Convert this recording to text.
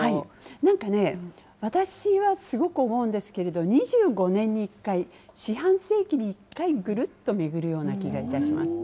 なんかね、私はすごく思うんですけれど、２５年に１回、四半世紀に１回ぐるっと巡るような気がいたします。